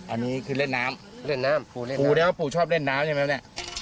อันนี้คือเล่นน้ำเล่นน้ำพูเล่นน้ำพูได้ว่าพูชอบเล่นน้ำใช่ไหมนะ